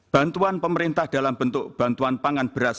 bantuan pemerintah dalam bentuk bantuan pangan beras